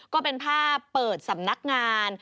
ก็เป็นภาพเปิดสำนักงาน